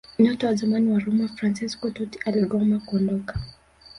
Nyota wa zamani wa Roma Fransesco Totti aligoma kuondoka